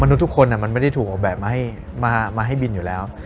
ทุกคนมันไม่ได้ถูกออกแบบมาให้บินอยู่แล้ว